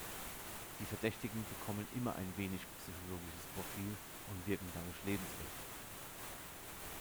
Die Verdächtigen bekommen immer ein wenig psychologisches Profil und wirken dadurch lebensecht.